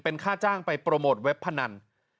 ค่าจ้างไปโปรโมทเว็บพนัน